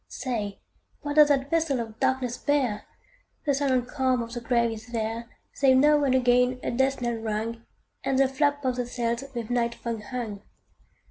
Say, what doth that vessel of darkness bear? The silent calm of the grave is there, Save now and again a death knell rung, And the flap of the sails with night fog hung.